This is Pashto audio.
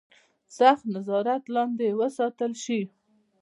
سخت نظارت لاندې وساتل شي.